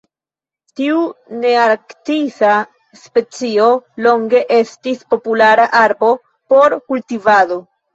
Tiu nearktisa specio longe estis populara arbo por kultivado.